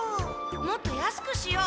もっと安くしよう。